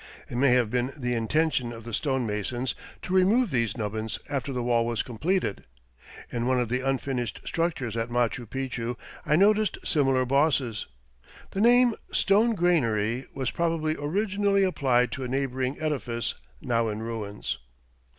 It may have been the intention of the stone masons to remove these nubbins after the wall was completed. In one of the unfinished structures at Machu Picchu I noticed similar bosses. The name "Stone granary" was probably originally applied to a neighboring edifice now in ruins.